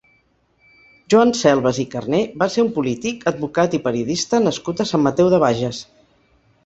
Joan Selves i Carner va ser un polític, advocat i periodista nascut a Sant Mateu de Bages.